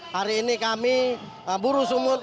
hari ini kami buru sumut